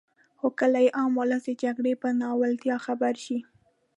خو کله چې عام ولس د جګړې په ناولتیا خبر شي.